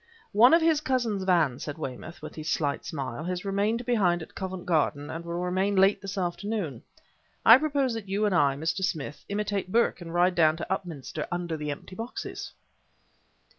"One of his cousin's vans," said Weymouth, with his slight smile, "has remained behind at Covent Garden and will return late this afternoon. I propose that you and I, Mr. Smith, imitate Burke and ride down to Upminster under the empty boxes!"